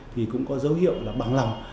thì cũng có dấu hiệu là bằng lòng